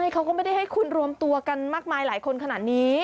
เขาก็ไม่ได้ให้คุณรวมตัวกันมากมายหลายคนขนาดนี้